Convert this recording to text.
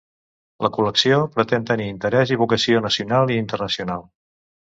La col·lecció pretén tenir interès i vocació nacional i internacional.